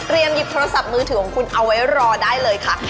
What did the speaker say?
หยิบโทรศัพท์มือถือของคุณเอาไว้รอได้เลยค่ะ